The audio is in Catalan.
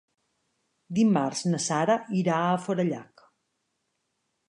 Dimarts na Sara irà a Forallac.